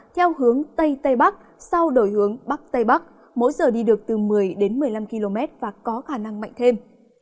theo hướng tây tây bắc sau đổi hướng bắc tây bắc mỗi giờ đi được từ một mươi đến một mươi năm km và có khả năng mạnh thêm